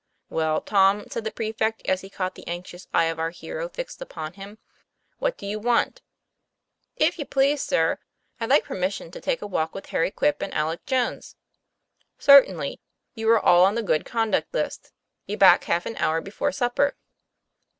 'Well, Tom," said the prefect, as he caught the anxious eyes of our hero fixed upon him, " what do you want ?" 'If you please, sir, I'd like permission to take a walk with Harry Quip and Alec Jones." "Certainly; you are all on the good conduct list. Be back half an hour before supper."